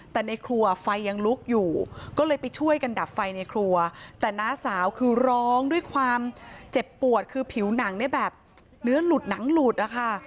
แต่ในครัวไฟยังลุกอยู่ก็เลยไปช่วยกันดับไฟในครัวแต่น้าสาวคือร้องด้วยความเจ็บปวดคือผิวหนังเนี่ยแบบเนื้อหลุดหนังหลุดนะคะ